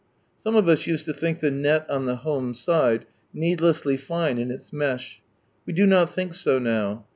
Some of us used to think the net on the hnme side needlessly tine in its mesh, we do not think so now.